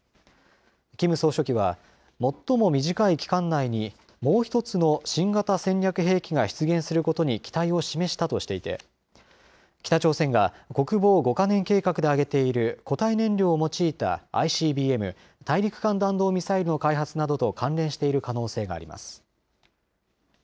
キム総書記は、最も短い期間内にもう１つの新型戦略兵器が出現することに期待を示したとしていて、北朝鮮が国防５か年計画で挙げている、固体燃料を用いたＩＣＢＭ・大陸間弾道ミサイルの開発などと関連している可能性があります。